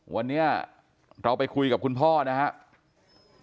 วันนี้เราไปคุยกับคุณพ่อนะครับ